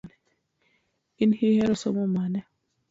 In ihero somo mane?